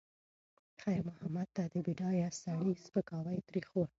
خیر محمد ته د بډایه سړي سپکاوی تریخ و.